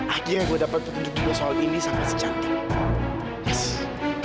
akhirnya gue dapat petunjukin soal ini sama si cantik